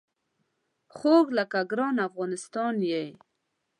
خوږ لکه ګران افغانستان یې